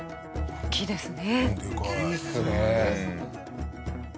大きいですね。